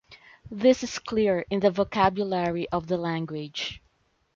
This is clear in the vocabulary of the language.